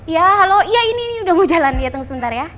ya halo ini udah mau jalan tunggu sebentar ya